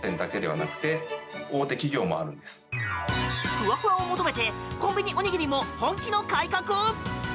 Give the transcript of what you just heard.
ふわふわを求めてコンビニおにぎりも本気の改革！？